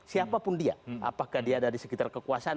siapapun dia apakah dia ada di sekitar kekuasaan